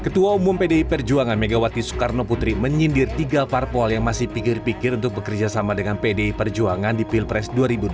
ketua umum pdi perjuangan megawati soekarno putri menyindir tiga parpol yang masih pikir pikir untuk bekerja sama dengan pdi perjuangan di pilpres dua ribu dua puluh